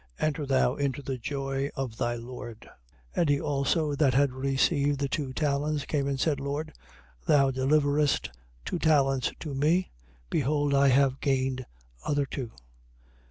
Enter thou into the joy of thy lord. 25:22. And he also that had received the two talents came and said: Lord, thou deliveredst two talents to me. Behold I have gained other two.